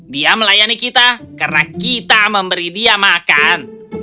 dia melayani kita karena kita memberi dia makan